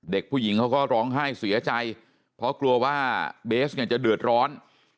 เด็กผู้หญิงเขาก็ร้องไห้เสียใจเพราะกลัวว่าเบสเนี่ยจะเดือดร้อน